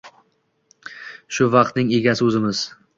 Shu vaqtning egasi o‘zimiz.